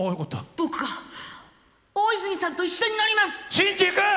僕が大泉さんと一緒に乗ります！